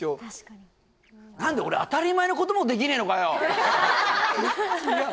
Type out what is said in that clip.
確かに何だ俺当たり前のこともできねえのかよ